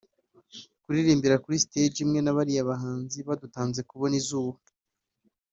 Kuririmbira kuri stage imwe na bariya bahanzi badutanze kubona izuba